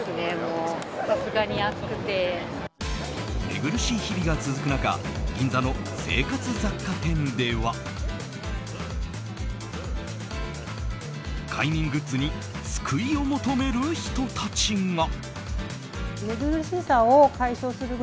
寝苦しい日々が続く中銀座の生活雑貨店では快眠グッズに救いを求める人たちが。